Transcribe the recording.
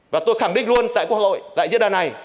và tôi khẳng định luôn tại quốc hội tại diễn đàn này